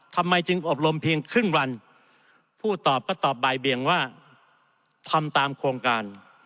ทำไมจึงอบรมเพียงครึ่งวันผู้ตอบก็ตอบบ่ายเบียงว่าทำตามโครงการ